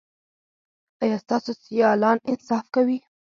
ایا ستاسو سیالان انصاف کوي؟